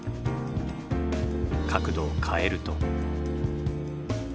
角度を変えると。